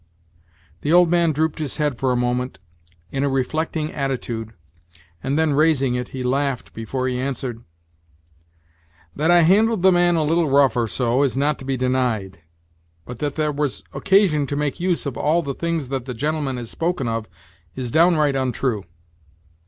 The old man drooped his head for a moment in a reflecting attitude, and then, raising it, he laughed before he answered: "That I handled the man a little rough or so, is not to be denied; but that there was occasion to make use of all the things that the gentleman has spoken of is downright untrue.